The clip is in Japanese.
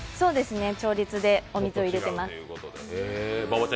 調律でお水を入れてます。